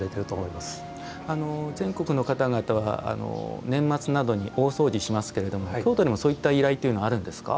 全国の方々は年末などに大掃除をしますけれども京都でもそういった依頼というのはあるんですか。